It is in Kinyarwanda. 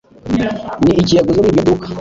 ni iki yaguze muri iryo duka